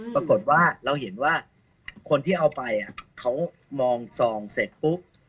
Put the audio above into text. ปรากฏว่าเราเห็นว่าคนที่เอาไปเขามองซองเสร็จปุ๊บ